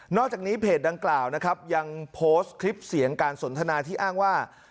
จากนี้เพจดังกล่าวนะครับยังโพสต์คลิปเสียงการสนทนาที่อ้างว่า